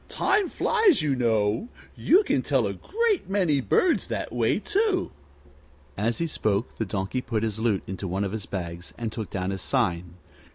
Time flies, you know. You can tell a great many birds that way, too." As he spoke the Donkey put his lute into one of his bags and took down his sign.